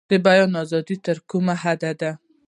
بیان ازادي تر کومه حده ده؟